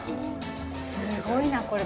すごいな、これ。